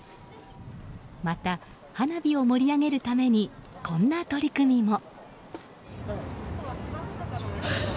また花火を盛り上げるためにこんな取り組みも。